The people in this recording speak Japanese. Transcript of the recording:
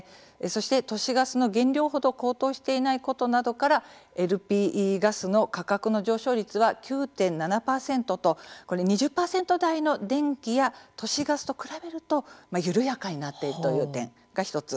そして、都市ガスの原料程高騰していないことなどからＬＰガスの価格の上昇率は９．７％と２０％台の電気や都市ガスと比べると緩やかになっているという点が１つ。